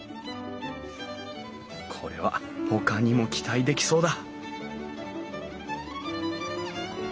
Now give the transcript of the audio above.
これはほかにも期待できそうだ！